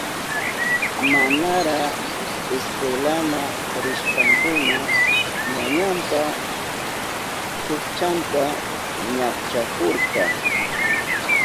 Manara iskwelama rishpankuna ñañanpa chukchanta ñakchahurka.